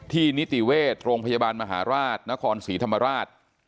นิติเวชโรงพยาบาลมหาราชนครศรีธรรมราช